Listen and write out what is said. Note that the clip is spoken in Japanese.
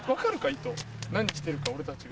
意図何してるか俺たち。